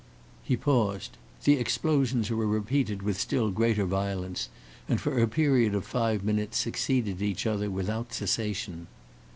He paused. The explosions were repeated with still greater violence, and for a period of five minutes succeeded each other without cessation.